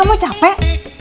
begitu aja kamu capek